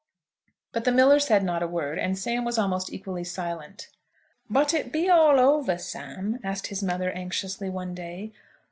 But the miller said not a word; and Sam was almost equally silent. "But it be all over, Sam?" asked his mother, anxiously one day.